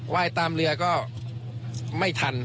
ไหว้ตามเรือก็ไม่ทัน